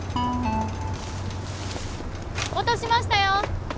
落としましたよ！